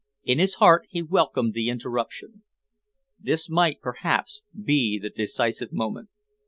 In his heart he welcomed the interruption. This might, perhaps, be the decisive moment.